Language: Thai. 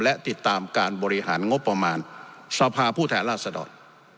และติดตามการบริหารงบประมาณสภาผู้แทนราชดร